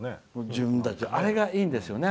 自分たち、あれがいいんですよね。